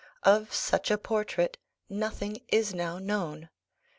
Of such a portrait nothing is now known.